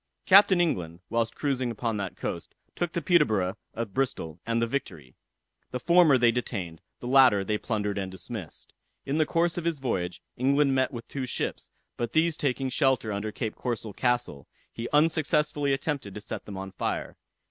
Captain England, whilst cruising upon that coast, took the Peterborough of Bristol, and the Victory. The former they detained, the latter they plundered and dismissed. In the course of his voyage, England met with two ships, but these taking shelter under Cape Corso Castle, he unsuccessfully attempted to set them on fire.